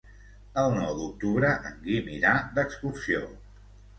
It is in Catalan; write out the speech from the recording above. El nou d'octubre en Guim irà d'excursió.